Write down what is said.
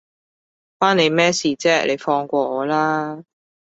關你咩事啫，你放過我啦